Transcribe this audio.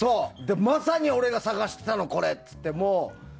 まさに俺が探してたのはこれっつって。